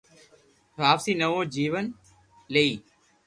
واپسي نوو جيون لئي